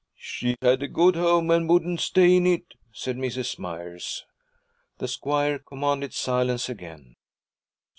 'She had a good home and wouldn't stay in it,' said Mrs. Myers. The squire commanded silence again.